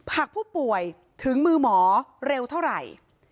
หากผู้ป่วยถึงมือหมอเร็วเท่าไหร่